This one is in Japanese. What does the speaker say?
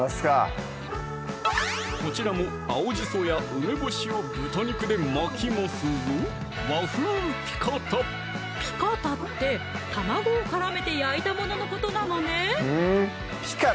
こちらも青じそや梅干しを豚肉で巻きますぞピカタって卵を絡めて焼いたもののことなのね